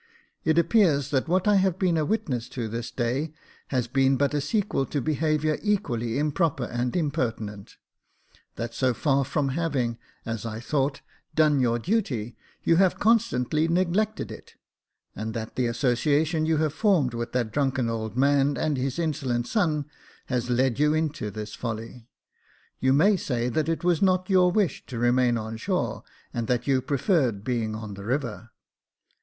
It appears that what I have been a witness to this day has been but a sequel to behaviour equally improper and impertinent ; that so far from having, as I thought, done your duty, you have constantly neglected it ; and that the association you have formed with that drunken old man and his insolent son, has led you into this folly. You may say that it was not your wish to remain on shore, and that you preferred being on the river.